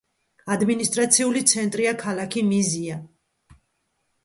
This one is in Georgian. ადმინისტრაციული ცენტრია ქალაქი მიზია.